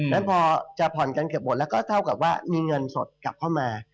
แล้วพอจะผ่อนกันเกือบหมดแล้วก็เท่ากับว่ามีเงินสดกลับเข้ามา